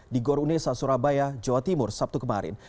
di goronesa surabaya jawa timur sabtu kemarin